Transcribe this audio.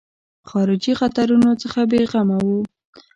خارجي خطرونو څخه بېغمه وو.